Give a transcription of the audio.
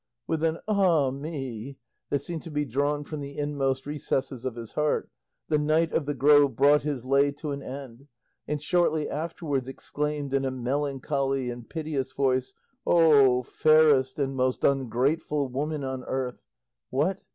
With an "Ah me!" that seemed to be drawn from the inmost recesses of his heart, the Knight of the Grove brought his lay to an end, and shortly afterwards exclaimed in a melancholy and piteous voice, "O fairest and most ungrateful woman on earth! What!